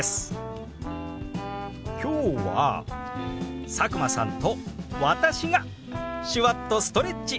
今日は佐久間さんと私が手話っとストレッチ！